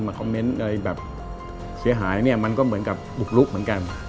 คอมเมนต์อะไรแบบเสียหายเนี่ยมันก็เหมือนกับบุกลุกเหมือนกัน